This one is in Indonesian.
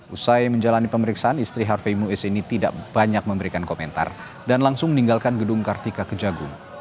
usai menjalani pemeriksaan istri harvey muiz ini tidak banyak memberikan komentar dan langsung meninggalkan gedung kartika kejagung